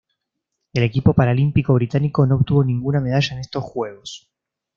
El equipo paralímpico británico no obtuvo ninguna medalla en estos Juegos.